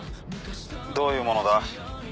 どういうものだ？